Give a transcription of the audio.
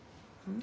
ん？